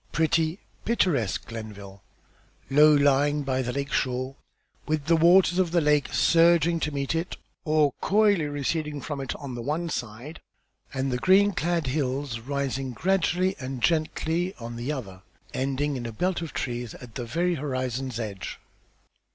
Pretty, picturesque Glenville, low lying by the lake shore, with the waters of the lake surging to meet it, or coyly receding from it, on the one side, and the green clad hills rising gradually and gently on the other, ending in a belt of trees at the very horizon's edge.